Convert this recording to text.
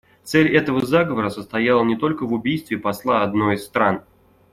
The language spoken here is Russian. Цель этого заговора состояла не только в убийстве посла одной из стран.